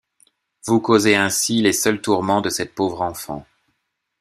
Vous causez ainsi les seuls tourments de cette pauvre enfant.